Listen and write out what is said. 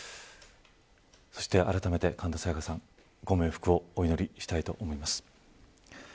そして、あらためて神田沙也加さんご冥福をお祈りしたいと思います。